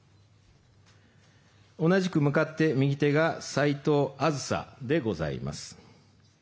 同じく向かって右手が齋藤梓でございます。